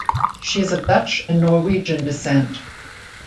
She is of Dutch and Norwegian descent.